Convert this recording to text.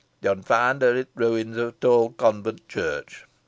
Yo'n find her i' t' ruins o' t' owd convent church.